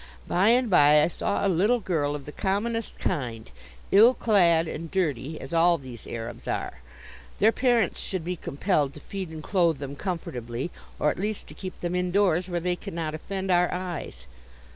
By and by, I saw a little girl of the commonest kind, ill clad and dirty, as all these arabs are. Their parents should be compelled to feed and clothe them comfortably, or at least to keep them indoors, where they cannot offend our eyes.